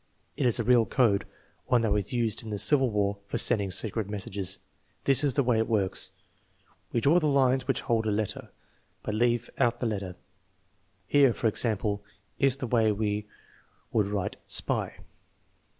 It is a real code, one that was used in the Civil War for sending secret messages. This is the way it works: we draw the lines which hold a letter, but leave out the letter. Here, for example, is the way we would write * spy?